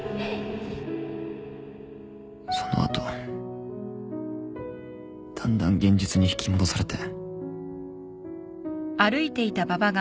その後だんだん現実に引き戻されて。